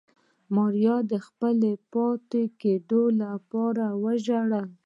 ماريا د خپلې پاتې کېدو لپاره وژړل.